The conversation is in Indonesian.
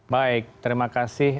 baik terima kasih